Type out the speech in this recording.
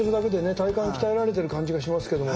体幹鍛えられてる感じがしますけども。